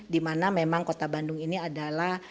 di mana memang kota bandung ini adalah